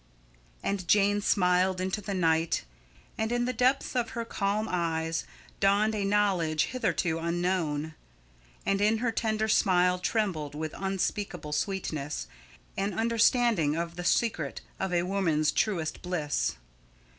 And Jane smiled into the night, and in the depths of her calm eyes dawned a knowledge hitherto unknown, and in her tender smile trembled, with unspeakable sweetness, an understanding of the secret of a woman's truest bliss.